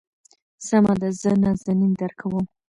سمه ده زه نازنين درکوم.